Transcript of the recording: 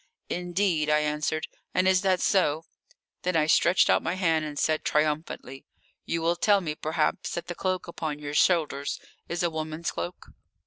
"Indeed?" I answered. "And is that so?" Then I stretched out my hand and said triumphantly: "You will tell me perhaps that the cloak upon your shoulders is a woman's cloak?"